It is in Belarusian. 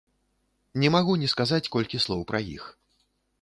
Не магу не сказаць колькі слоў пра іх.